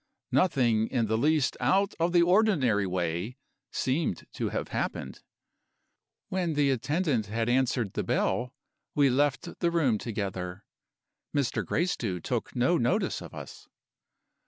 Nothing in the least out of the ordinary way seemed to have happened. When the attendant had answered the bell, we left the room together. Mr. Gracedieu took no notice of us.